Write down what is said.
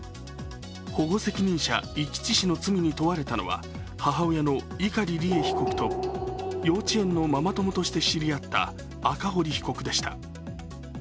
保護責任者遺棄致死の罪に問われたのは母親の碇利恵被告と幼稚園のママ友として知り合った赤堀被告でした。